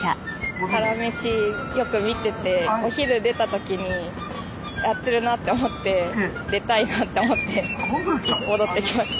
「サラメシ」よく見ててお昼出た時にやってるなって思って出たいなって思って戻ってきました。